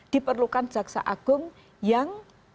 diperlukan jaksa agung yang